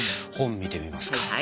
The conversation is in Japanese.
本を見てみますか。